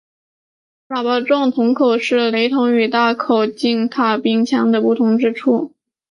喇叭状的铳口是雷筒与大口径卡宾枪的不同之处。